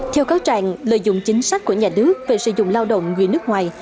theo cáo trạng lợi dụng chính sách của nhà nước về sử dụng lao động người nước ngoài